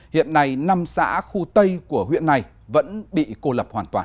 hiện nay năm xã khu tây của huyện này vẫn bị cô lập hoàn toàn